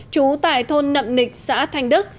trú tại thôn nậm nịch xã thanh đức